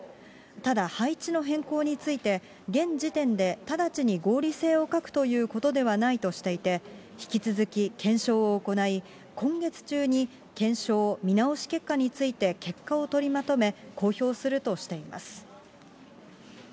ただ、配置の変更について、現時点で直ちに合理性を欠くということではないとしていて、引き続き検証を行い、今月中に検証・見直し結果について結果を取りまとめ、公表するとしています。